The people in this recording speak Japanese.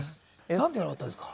なんで言わなかったんですか？